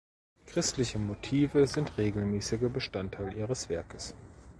Christliche Motive sind regelmäßiger Bestandteil ihres Werkes.